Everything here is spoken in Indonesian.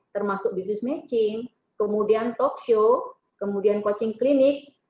termasuk business matching kemudian talkshow kemudian coaching clinic